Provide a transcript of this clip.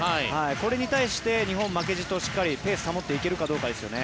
これに対して日本は負けじとペースを保っていけるかどうかですね。